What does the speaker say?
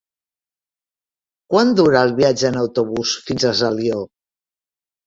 Quant dura el viatge en autobús fins a Alió?